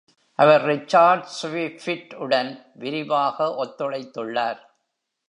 அவர் Richard Swift உடன் விரிவாக ஒத்துழைத்துள்ளார்.